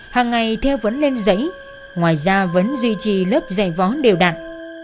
hàng ngày thêu vẫn lên dãy ngoài ra vẫn duy trì lớp dạy võ đều đặn